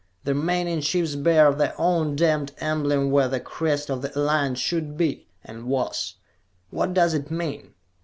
The remaining ships bear their own damned emblem where the crest of the Alliance should be and was. What does it mean?"